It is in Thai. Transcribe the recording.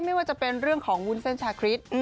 ไม่ว่าจะเป็นเรื่องของวุ้นเส้นชาคริส